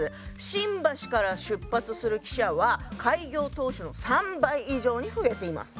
新橋から出発する汽車は開業当初の３倍以上に増えています。